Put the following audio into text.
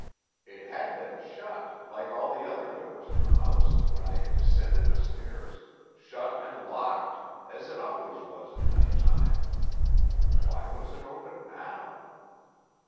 It had been shut, like all the other doors in the house, when I had descended the stairs shut and locked, as it always was at night time. Why was it open now?